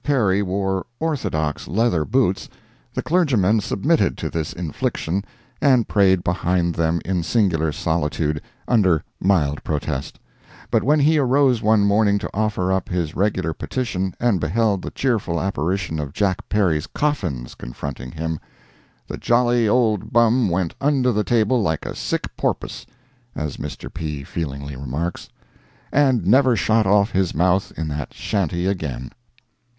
Perry wore orthodox leather boots the clergyman submitted to this infliction and prayed behind them in singular solitude, under mild protest; but when he arose one morning to offer up his regular petition, and beheld the cheerful apparition of Jack Perry's coffins confronting him, "The jolly old bum went under the table like a sick porpus" (as Mr. P. feelingly remarks), "and never shot off his mouth in that shanty again."